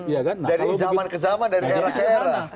dari zaman ke zaman dari era ke era